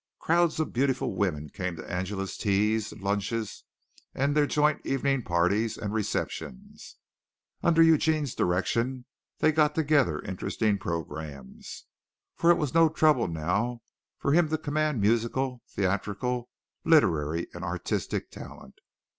Crowds of beautiful women came to Angela's teas, lunches and their joint evening parties and receptions. Under Eugene's direction they got together interesting programmes, for it was no trouble now for him to command musical, theatrical, literary and artistic talent.